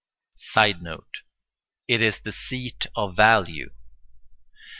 [Sidenote: It is the seat of value.